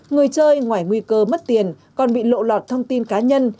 người chơi ngoài nguy cơ mất tiền còn bị lộ lọt thông tin cá nhân